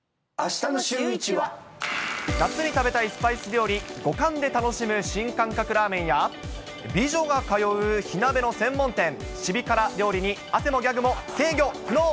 たっぷり食べたいスパイス料理、五感で楽しむ新感覚ラーメン屋、美女が通う火鍋の専門店、シビ辛料理に汗もギャグも制御不能。